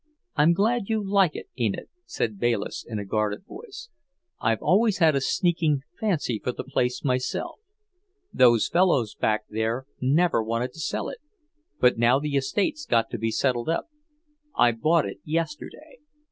"I'm glad you like it, Enid," said Bayliss in a guarded voice. "I've always had a sneaking fancy for the place myself. Those fellows back there never wanted to sell it. But now the estate's got to be settled up. I bought it yesterday.